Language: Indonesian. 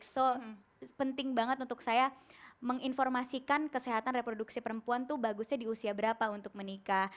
so penting banget untuk saya menginformasikan kesehatan reproduksi perempuan tuh bagusnya di usia berapa untuk menikah